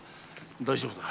大丈夫だ。